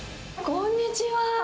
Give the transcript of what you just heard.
こんにちは。